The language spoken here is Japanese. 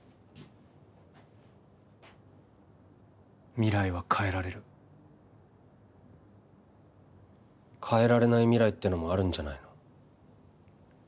未来は変えられる変えられない未来ってのもあるんじゃないの？